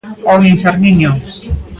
O Inferniño.